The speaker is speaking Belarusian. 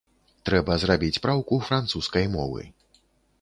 Трэба зрабіць праўку французскай мовы.